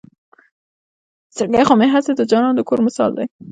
زړګے خو مې هم هسې د جانان د کور مثال دے